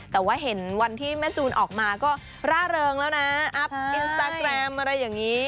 แต่ว่าเห็นวันที่แม่จูนออกมาก็ร่าเริงแล้วนะอัพอินสตาแกรมอะไรอย่างนี้